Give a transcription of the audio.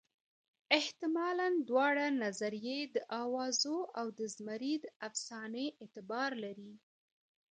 حتمالاً دواړه نظریې د اوازو او د زمري د افسانې اعتبار لري.